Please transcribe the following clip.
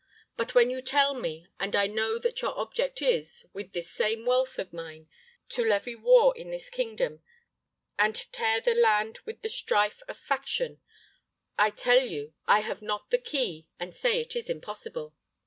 But when you tell me, and I know that your object is, with this same wealth of mine, to levy war in this kingdom, and tear the land with the strife of faction, I tell you I have not the key, and say it is impossible.